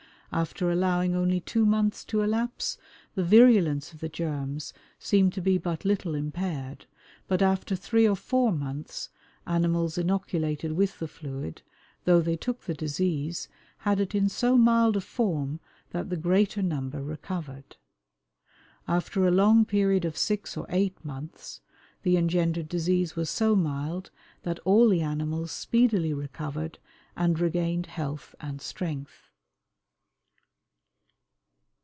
After allowing only two months to elapse, the virulence of the germs seemed to be but little impaired, but after three or four months animals inoculated with the fluid, though they took the disease, had it in so mild a form that the greater number recovered. After a long period of six or eight months the engendered disease was so mild that all the animals speedily recovered and regained health and strength.